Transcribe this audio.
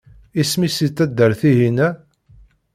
Isem-is i taddart-ihina?